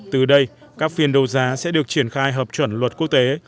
từ đây các phiên đấu giá sẽ được triển khai hợp chuẩn luật quốc tế